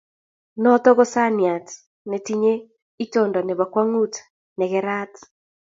Notok ko sanaiyaat netinye itondo nebo kwang'ut ne kerat.